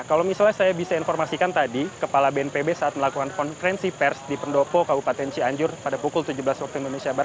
kalau misalnya saya bisa informasikan tadi kepala bnpb saat melakukan konferensi pers di pendopo kabupaten cianjur pada pukul tujuh belas waktu indonesia barat